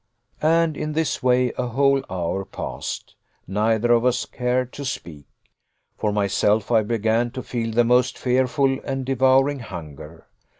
And in this way a whole hour passed. Neither of us cared to speak. For myself, I began to feel the most fearful and devouring hunger.